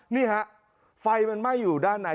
นี่ฮะไฟมันไหม้อยู่ด้านใน